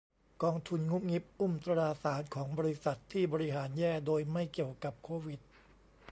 กองทุนงุบงิบอุ้มตราสารของบริษัทที่บริหารแย่โดยไม่เกี่ยวกับโควิด